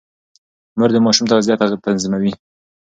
مور د ماشوم تغذيه تنظيموي.